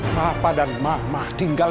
papa dan mama tinggal